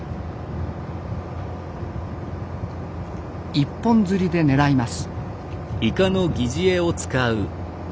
一本釣りで狙います。